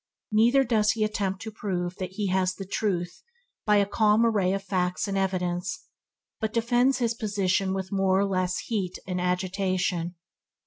Neither does he attempt to prove that he has the truth by a calm array of facts and evidence, but defends his position with more or less heat and agitation.